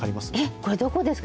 これ、どこですか？